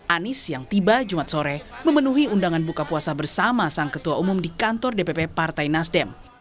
anies yang tiba jumat sore memenuhi undangan buka puasa bersama sang ketua umum di kantor dpp partai nasdem